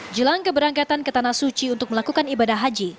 jelang keberangkatan ke tanah suci untuk melakukan ibadah haji